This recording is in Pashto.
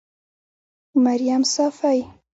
مريم صافۍ